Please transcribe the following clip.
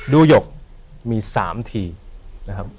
ดูหยกมี๓ทีนะครับ